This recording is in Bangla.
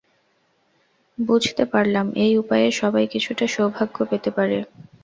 বুঝতে পারলাম, এই উপায়ে সবাই কিছুটা সৌভাগ্য পেতে পারে।